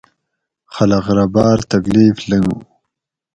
خلق رہ باۤر تکلیف لنگو